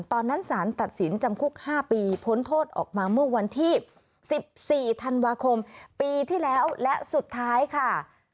ตอนนั้นสารตัดสินจำคุก๕ปีพ้นโทษออกมาเมื่อวันที่๑๔ธันวาคมปีที่แล้วและสุดท้ายค่ะ